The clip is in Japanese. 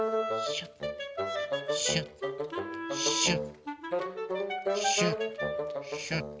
シュッシュッシュッシュッ。